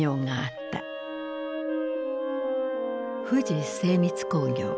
富士精密工業。